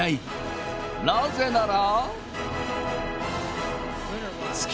なぜなら。